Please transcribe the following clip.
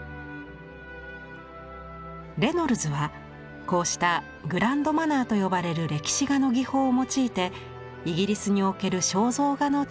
レノルズはこうした「グランド・マナー」と呼ばれる歴史画の技法を用いてイギリスにおける肖像画の地位を高めました。